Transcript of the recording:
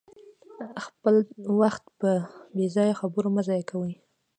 خپل وخت په بې ځایه خبرو مه ضایع کوئ.